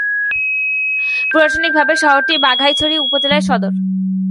প্রশাসনিকভাবে শহরটি বাঘাইছড়ি উপজেলার সদর।